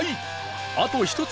あと１つ